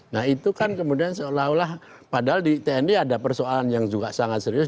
nah itu kan kemudian seolah olah padahal di tni ada persoalan yang juga sangat serius